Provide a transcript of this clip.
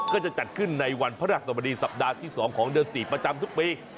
ก็จะจัดขึ้นในวันพระราชสมดีสัปดาห์ที่๒ของเดือน๔ประจำทุกปี